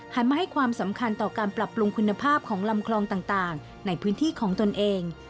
มาให้ความสำคัญต่อการปรับปรุงคุณภาพของลำคลองต่างในพื้นที่ของตนเอง